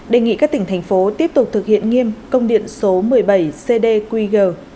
đề nghị các tỉnh thành phố tiếp tục thực hiện nghiêm công điện số một mươi bảy cdqg